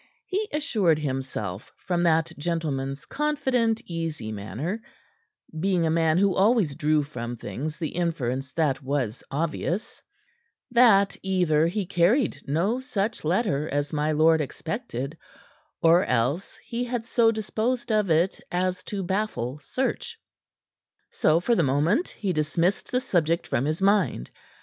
He assured himself from that gentleman's confident, easy manner being a man who always drew from things the inference that was obvious that either he carried no such letter as my lord expected, or else he had so disposed of it as to baffle search. So, for the moment, he dismissed the subject from his mind.